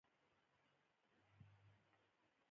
د شپې مهال دروازه وتړئ